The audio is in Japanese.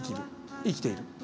生きている。